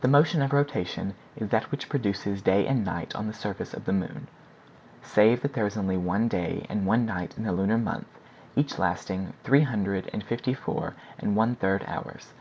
The motion of rotation is that which produces day and night on the surface of the moon; save that there is only one day and one night in the lunar month, each lasting three hundred and fifty four and one third hours.